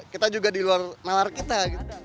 kita juga di luar nalar kita